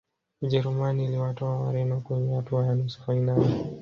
ujerumani iliwatoa wareno kwenye hatua ya nusu fainali